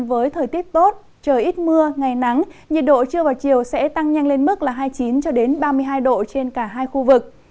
với thời tiết tốt trời ít mưa ngày nắng nhiệt độ trưa vào chiều sẽ tăng nhanh lên mức là hai mươi chín ba mươi hai độ trên cả hai khu vực